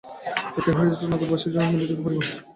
এটাই হয়ে উঠবে নগরবাসীর সবচেয়ে নির্ভরযোগ্য পরিবহন।